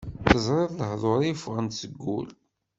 Teẓriḍ lehḍur-iw ffɣen-d seg wul.